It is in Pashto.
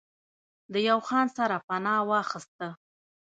د يو خان سره پناه واخسته